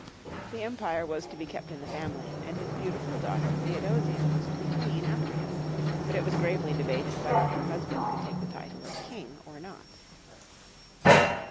The Empire was to be kept in the family, and his beautiful daughter Theodosia was to be Queen after him; but it was gravely debated whether her husband could take the title of King or not.